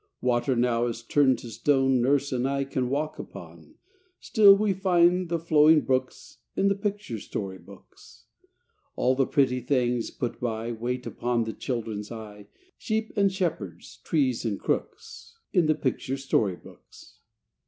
Water now is turned to stone Nurse and I can walk upon; Still we find the flowing brooks In the picture story books. All the pretty things put by, Wait upon the children's eye, Sheep and shepherds, trees and crooks, In the picture story books.